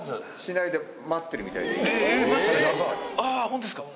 ホントですか？